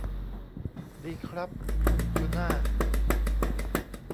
ดีครับคุณจูน่า